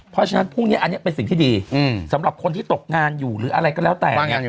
เพราะฉะนั้นพรุ่งนี้อันนี้เป็นสิ่งที่ดีสำหรับคนที่ตกงานอยู่หรืออะไรก็แล้วแต่เนี่ย